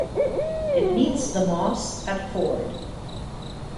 It meets The Moss at Ford.